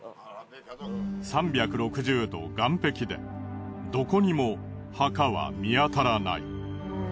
３６０度岩壁でどこにも墓は見当たらない。